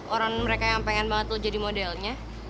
orang mereka yang pengen banget tuh jadi modelnya